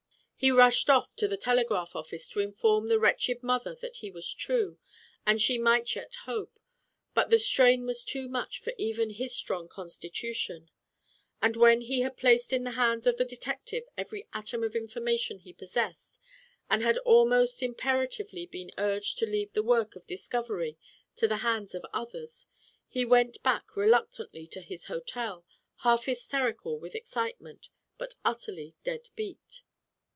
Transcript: He rushed off to the telegraph office to inform the wretched mother that he was true, and she might yet hope, but the strain was too much for even his strong constitution, and when he had placed in the hands of the detective every atom of information he possessed, and had almost imper atively been urged to leave the work of discov ery to the hands of others, he went back reluc tantly to his hotel, half hysterical with excite ment, but utterly dead beat.